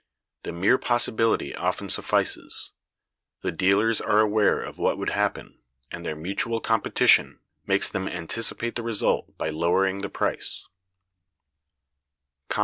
The mere possibility often suffices; the dealers are aware of what would happen, and their mutual competition makes them anticipate the result by lowering the price.